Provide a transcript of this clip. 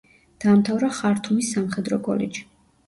დაამთავრა ხართუმის სამხედრო კოლეჯი.